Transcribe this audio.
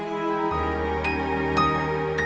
sampai jumpa lagi mams